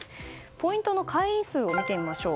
ポイントの会員数を見てみましょう。